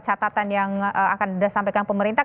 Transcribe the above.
catatan yang akan disampaikan pemerintah